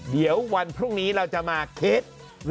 เดี๋ยววันพรุ่งนี้เราจะมาเคส